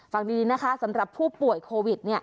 ฟังดีนะคะสำหรับผู้ป่วยโควิด